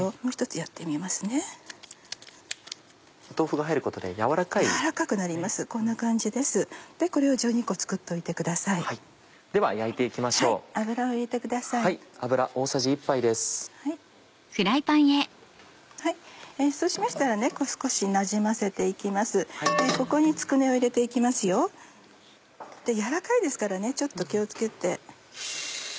やわらかいですからちょっと気を付けて。